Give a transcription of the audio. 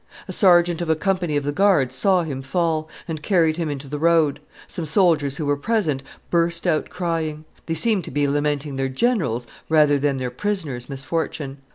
A sergeant of a company of the guards saw him fall, and carried him into the road; some soldiers who were present burst out crying; they seemed to be lamenting their general's rather than their prisoner's misfortune.